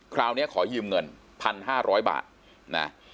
คราวนี้ขอยืมเงิน๑๕๐๐บาทนะ